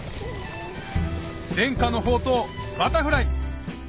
伝家の宝刀バタフライ！